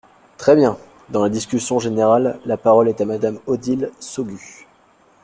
Très bien ! Dans la discussion générale, la parole est à Madame Odile Saugues.